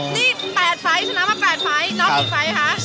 นี่๘ไฟล์ชนะมา๘ไฟล์น็อก๑ไฟล์คะ